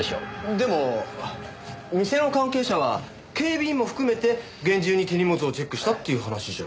でも店の関係者は警備員も含めて厳重に手荷物をチェックしたっていう話じゃ？